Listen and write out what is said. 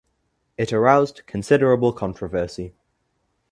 It aroused considerable controversy.